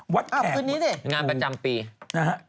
วัดแขกอ๋อคืนนี้สิงานประจำปีนะฮะวัดแขก